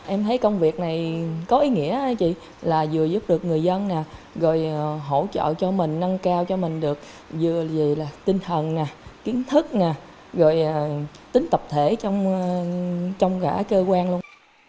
em thấy công việc này có ý nghĩa chị là vừa giúp được người dân rồi hỗ trợ cho mình nâng cao cho mình được vừa là tinh thần kiến thức rồi tính tập thể trong cả cơ quan luôn